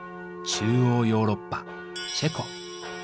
中欧ヨーロッパチェコ。